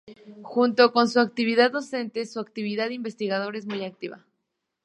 Junto con su actividad docente, su actividad investigadora es muy activa.